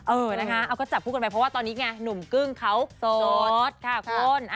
เออนะคะเอาก็จับคู่กันไปเพราะว่าตอนนี้ไงหนุ่มกึ้งเขาโสดค่ะคุณ